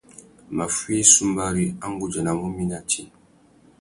Maffuï sumbari, a nʼgudjanamú mi nà tsi.